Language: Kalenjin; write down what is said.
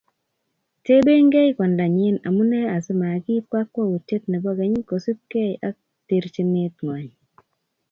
tebengei kwandanyin amune asimakiib kakwoutiet nebo keny kosibgei ak terchinet ng'wany.